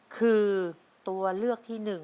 คือตัวเลือกที่๑